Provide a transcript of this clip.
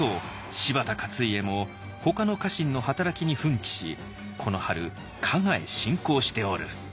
柴田勝家もほかの家臣の働きに奮起しこの春加賀へ侵攻しておる」。